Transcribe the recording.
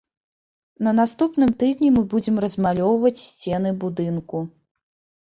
На наступным тыдні мы будзем размалёўваць сцены будынку.